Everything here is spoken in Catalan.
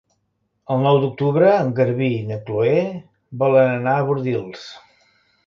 El nou d'octubre en Garbí i na Chloé volen anar a Bordils.